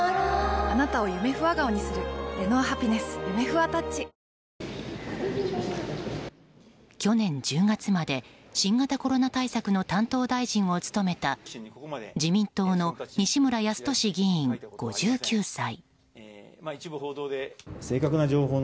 「ほんだし」で去年１０月まで新型コロナ対策の担当大臣を務めた自民党の西村康稔議員、５９歳。